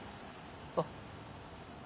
あっ。